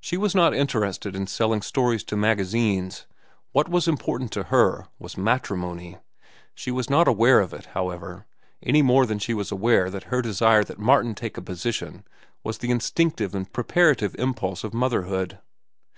She was not interested in selling stories to magazines. What was important to her was matrimony. She was not aware of it, however, any more than she was aware that her desire that Martin take a position was the instinctive and preparative impulse of motherhood.